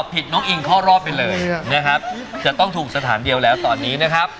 ผิดน้องอิงเข้ารอบไปเลยนะครับจะต้องถูกสถานเดียวแล้วตอนนี้นะครับ